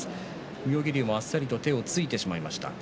妙義龍もあっさりと手をついてしまいました。